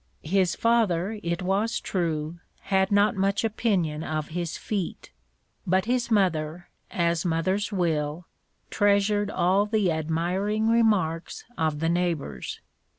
His father, it was true, had not much opinion of his feat, but his mother, as mothers will, treasured all the admiring remarks of the neighbours.